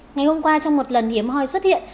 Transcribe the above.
ngày hôm qua trong một lần hiếm hoi xuất hiện